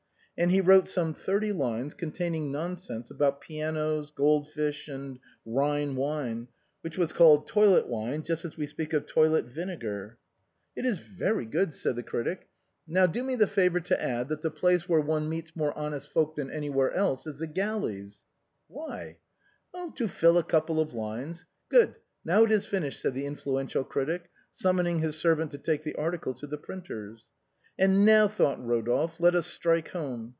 And he wrote some thirty lines containing nonsense about pianos, gold fish and Ehine wine, which was called a toilet wine just as we speak of toilet vinegar. " It is very good," said the critic. " Now do me the fftvor to add that the place where one meets more honest folk than anywhere eles in the world is the galleys." 98 THE BOHEMIANS OF THE LATIN QDARTEE. "Why?" " To fill a couple of lines. Good, now it is finished," said the influential critic, summoning his servant to take the article to the printers. "And now," thought Eodolphe, " let us strike home."